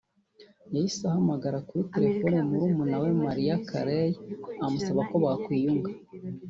yahise ahamagara kuri telefoni murumuna we Mariah Carey amusaba ko bakwiyunga